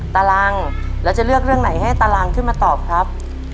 ตารังแล้วจะเลือกเรื่องไหนให้ตารังขึ้นมาตอบครับ